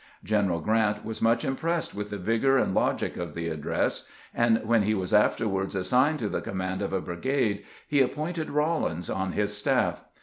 General Grant was much impressed with the vigor and logic of the address, and when he was afterward assigned to the command of a brigade, he appointed Rawlins on his staff.